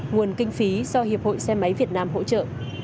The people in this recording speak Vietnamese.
nguồn kinh phí do hiệp hội xe máy việt nam hỗ trợ